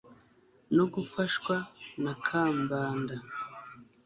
no gufashwa na kambanda